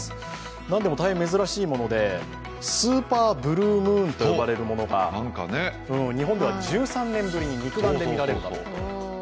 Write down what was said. なんでも大変珍しいものでスーパーブルームーンと呼ばれるものが日本では１３年ぶりで肉眼で見られるそうです。